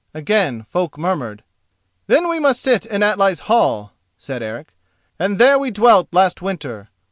Again folk murmured. "Then we must sit in Atli's hall," said Eric, "and there we dwelt last winter.